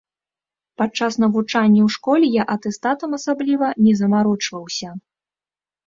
Падчас навучання ў школе я атэстатам асабліва не замарочваўся.